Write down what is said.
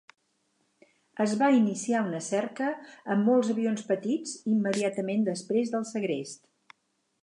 Es va iniciar una cerca amb molts avions petits immediatament després del segrest.